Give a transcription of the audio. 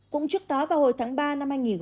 cũng trước đó vào hồi tháng ba năm hai nghìn hai mươi